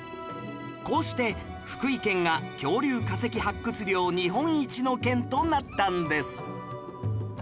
こうして福井県が恐竜化石発掘量日本一の県となったんです